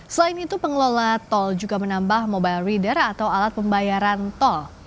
selain itu pengelola tol juga menambah mobile reader atau alat pembayaran tol